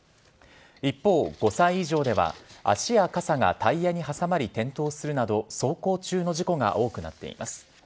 一方、５歳以上では足や傘がタイヤに挟まり転倒するなど走行中の事故が多くなっています。